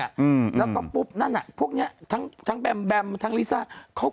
แล้วก็พบนะพวกนี้ทั้งแบมทั้งลิซ่า